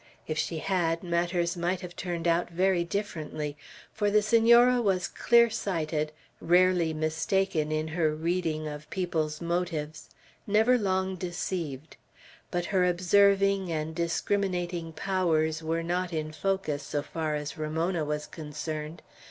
If she had, matters might have turned out very differently, for the Senora was clear sighted, rarely mistaken in her reading of people's motives, never long deceived; but her observing and discriminating powers were not in focus, so far as Ramona was concerned.